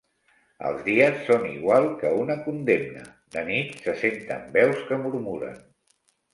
Els dies són igual que una condemna; de nit se senten veus que murmuren.